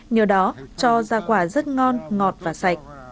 nhờ đó cho ra quả rất ngon ngọt và sạch